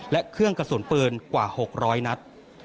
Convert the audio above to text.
และเครื่องกระสุนปืนกว่า๖๐๐นัด